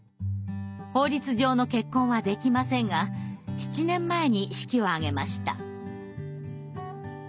法律上の結婚はできませんが７年前に式を挙げました。